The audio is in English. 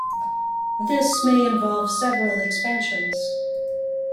This may involve several expansions.